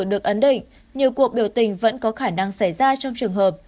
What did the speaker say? được ấn định nhiều cuộc biểu tình vẫn có khả năng xảy ra trong trường hợp